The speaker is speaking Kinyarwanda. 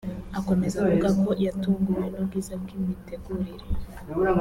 Akomeza avuga ko yatunguwe n’ubwiza bw’imitegurire